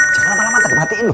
cak lama lama tak kematiin lu